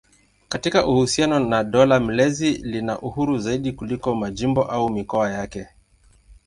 Katika uhusiano na dola mlezi lina uhuru zaidi kuliko majimbo au mikoa yake.